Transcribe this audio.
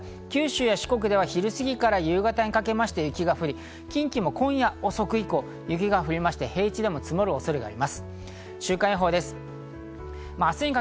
九州や四国では昼過ぎから夕方にかけまして雪が降り近畿も今夜遅く以降雪が降りまして、平地でも積もる恐れがあります。